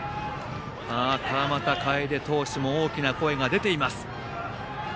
川又楓投手も大きな声が出ています。